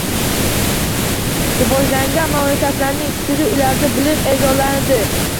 Rivojlangan mamlakatlarning siri – ularda bilim eʼzozlanadi.